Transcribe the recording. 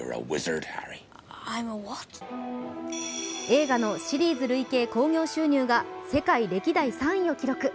映画のシリーズ累計興行収入が世界歴代３位を記録。